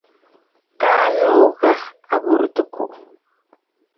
Kaa nòò ghà à burə tɨ̀ kùꞌù.